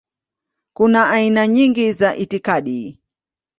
Kuna aina nyingi za itikadi.